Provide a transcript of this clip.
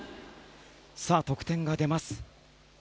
得点が出ます。